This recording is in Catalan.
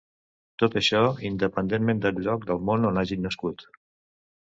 Tot això, independentment del lloc del món on hagin nascut.